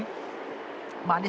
oh ya terima kasih